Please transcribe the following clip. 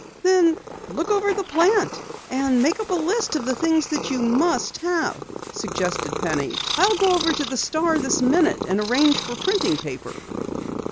"Then look over the plant and make up a list of the things you must have," suggested Penny. "I'll go over to the Star this minute and arrange for printing paper."